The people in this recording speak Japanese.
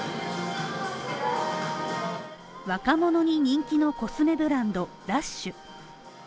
若者に人気のコスメブランドＬＵＳＨ